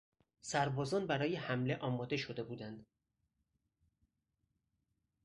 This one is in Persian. سربازان برای حمله آماده شده بودند.